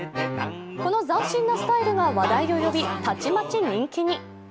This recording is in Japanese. この斬新なスタイルが話題になりたちまち人気に。